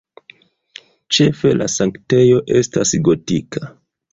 Ĉefe la sanktejo estas gotika.